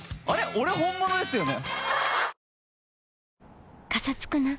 俺本物ですよね？